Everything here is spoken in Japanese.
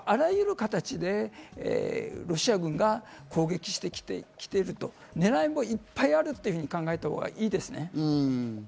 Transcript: あらゆる形でロシア軍が攻撃してきている狙いはいっぱいあるっていうふうに考えたほうがいいですね。